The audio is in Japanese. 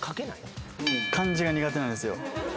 漢字が苦手なんですよ。